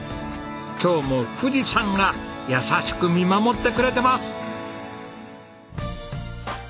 今日も富士山が優しく見守ってくれてます！